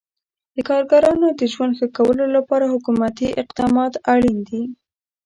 د کارګرانو د ژوند ښه کولو لپاره حکومتي اقدامات اړین دي.